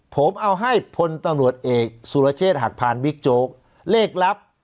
ผมเอาให้พลตำรวจเอกสุรเชษฐ์หักพานบิ๊กโจ๊กเลขลับ